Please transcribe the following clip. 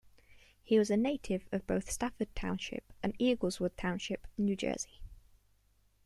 He was a native of both Stafford Township and Eagleswood Township, New Jersey.